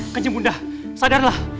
keci bunda sadarlah